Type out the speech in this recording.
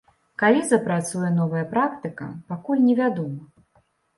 Калі запрацуе новая практыка пакуль невядома.